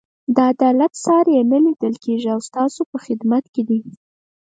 د عدالت ساری یې نه لیدل کېږي او ستاسو په خدمت کې دی.